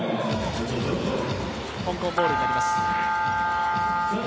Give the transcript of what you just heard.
香港ボールになります。